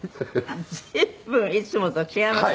随分いつもと違います。